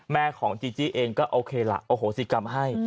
แม่ของจีจี้เองก็โอเคล่ะโอโหสิกรรมให้